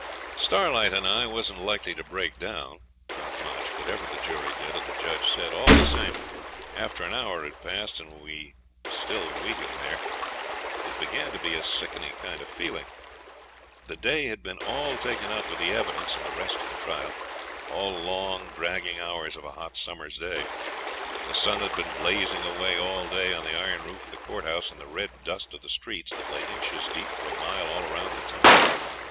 Starlight and I wasn't likely to break down not much whatever the jury did or the judge said. All the same, after an hour had passed, and we still waiting there, it began to be a sickening kind of feeling. The day had been all taken up with the evidence and the rest of the trial; all long, dragging hours of a hot summer's day. The sun had been blazing away all day on the iron roof of the courthouse and the red dust of the streets, that lay inches deep for a mile all round the town.